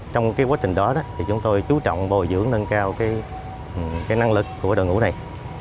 trong quá trình đó chúng tôi chú trọng bồi dưỡng nâng cao năng lực của đội ngũ này